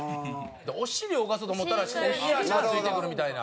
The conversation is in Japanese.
お尻を動かそうと思ったら自然に足がついてくるみたいな。